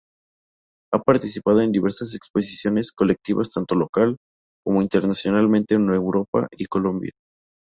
Ha participado en diversas exposiciones colectivas tanto local, como internacionalmente en España y Colombia.